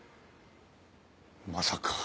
まさか。